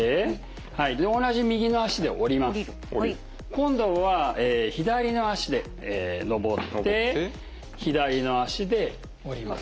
今度は左の足で上って左の足で下ります。